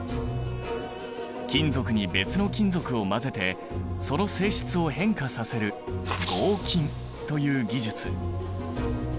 金属に別の金属を混ぜてその性質を変化させる合金という技術。